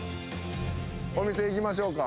お店行きましょうか。